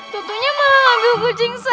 tentunya mau ambil kucing saya